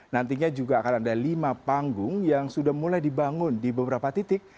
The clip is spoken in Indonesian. nantinya juga akan ada lima panggung yang sudah mulai dibangun di beberapa titik